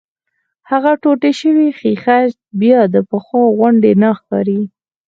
هغه ټوټې شوې ښيښه بيا د پخوا غوندې نه ښکاري.